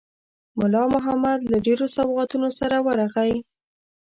مُلا محمد له ډېرو سوغاتونو سره ورغی.